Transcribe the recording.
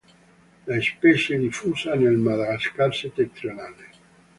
La specie è diffusa nel Madagascar settentrionale.